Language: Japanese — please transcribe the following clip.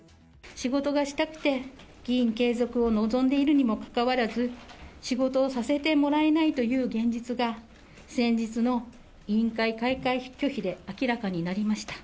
仕事がしたくて議員継続を望んでいるにもかかわらず、仕事をさせてもらえないという現実が、先日の委員会開会拒否で明らかになりました。